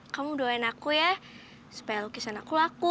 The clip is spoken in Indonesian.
kamu doain aku ya supaya lukisan aku laku